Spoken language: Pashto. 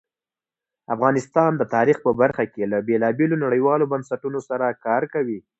افغانستان د تاریخ په برخه کې له بېلابېلو نړیوالو بنسټونو سره کار کوي.